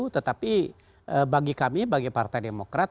tetapi bagi kami bagi partai demokrat